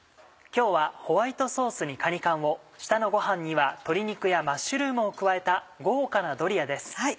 今日はホワイトソースにかに缶を下のご飯には鶏肉やマッシュルームを加えた豪華なドリアです。